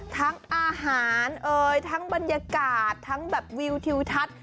ทั้งอาหารเอ่ยทั้งบรรยากาศทั้งแบบวิวทิวทัศน์